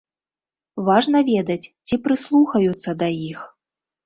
Важна ведаць, ці прыслухаюцца да іх.